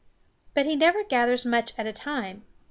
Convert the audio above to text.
But he never gathers much at a time.